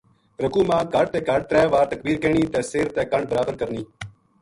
رکوع ما کہٹ تے کہٹ ترے وار تکبیر کہنی تے سر تے کنڈ برابر کرنی۔